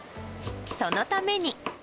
そのために。